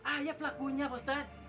ayak pelakunya pak ustadz